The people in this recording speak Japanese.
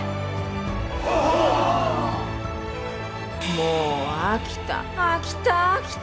もう飽きた。